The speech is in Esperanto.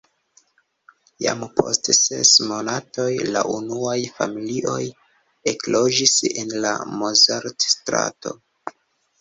Jam post ses monatoj la unuaj familioj ekloĝis en la Mozart-strato.